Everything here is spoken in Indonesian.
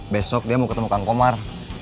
besok dia mau ketemu kang komar